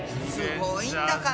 すごいんだから。